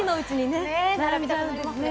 並びたくなりますよね。